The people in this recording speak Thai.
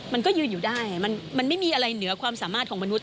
มันก็ยืนอยู่ได้มันไม่มีอะไรเหนือความสามารถของมนุษ